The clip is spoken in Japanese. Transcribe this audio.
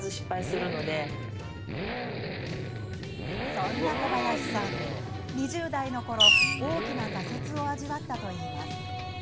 そんな小林さん、２０代のころ大きな挫折を味わったといいます。